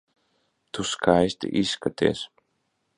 Tu skaisti izskaties.